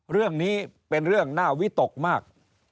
เรื่องนี้เป็นเรื่องน่าวิตกมาก